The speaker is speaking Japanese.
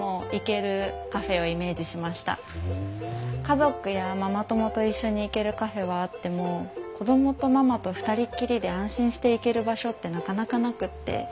家族やママ友と一緒に行けるカフェはあっても子供とママと二人っきりで安心して行ける場所ってなかなかなくって。